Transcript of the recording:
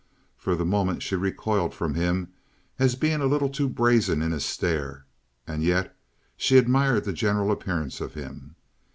For the moment she recoiled from him as being a little too brazen in his stare, and yet she admired the general appearance of him.